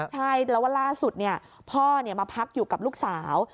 ใช่แล้ววันล่าสุดเนี่ยพ่อเนี่ยมาพักอยู่กับลูกสาว